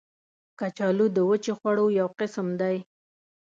کچالو د وچې خواړو یو قسم دی